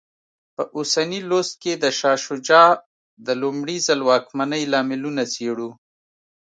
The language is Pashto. په اوسني لوست کې د شاه شجاع د لومړي ځل واکمنۍ لاملونه څېړو.